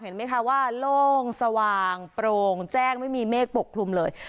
เห็นไหมคะว่าโล่งสว่างโปร่งแจ้งไม่มีเมฆปกคลุมเลย